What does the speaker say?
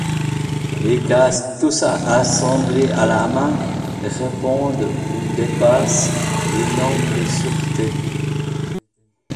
Les casques, tous assemblés à la main, répondent ou dépassent les normes de sûreté.